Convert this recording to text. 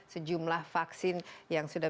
sejumlah vaksin yang sudah